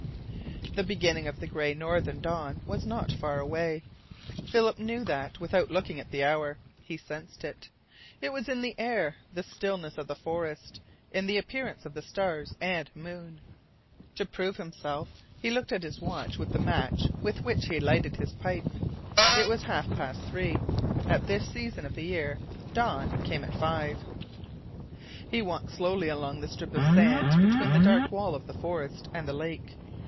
The beginning of the gray northern dawn was not far away. Philip knew that without looking at the hour. He sensed it. It was in the air, the stillness of the forest, in the appearance of the stars and moon. To prove himself he looked at his watch with the match with which he lighted his pipe. It was half past three. At this season of the year dawn came at five. He walked slowly along the strip of sand between the dark wall of the forest and the lake.